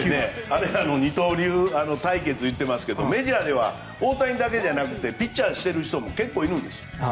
二刀流対決って言ってますけどメジャーでは大谷だけじゃなくてピッチャーしている人も結構いるんです。